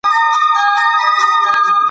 موږ د نوي کال په اړه خبرې کوو.